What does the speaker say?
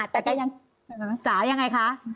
แต่แกยังจ๋ายังไงคะ